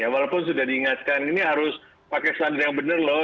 walaupun sudah diingatkan ini harus pakai standar yang benar loh